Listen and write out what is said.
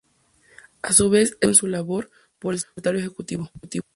A su vez, es auxiliado en su labor, por el Secretario Ejecutivo.